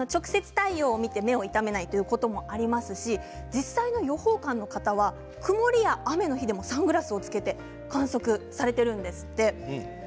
直接、太陽を見て目をいためないということもありますし、実際の予報官の方は曇りや雨の日でもサングラスを着けて観測されているんですって。